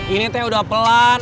ini udah pelan